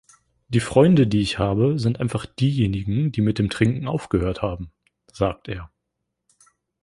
„Die Freunde, die ich habe, sind einfach diejenigen, die mit dem Trinken aufgehört haben“, sagt er.